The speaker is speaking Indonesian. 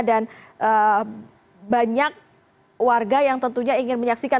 dan banyak warga yang tentunya ingin menyaksikan